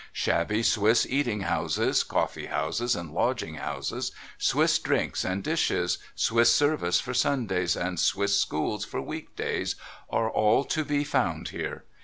Shabby Swiss eating houses, coftee houses, and lodging houses, Swiss drinks and dishes, Swiss service for Sundays, and Swiss schools for week days, are all to be found there.